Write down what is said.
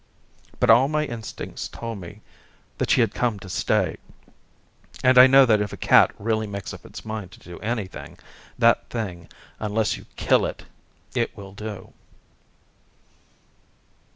But all my instincts told me that she had come to stay, and I know that if a cat really makes up its mind to do anything, that thing, unless you kill it, it will do.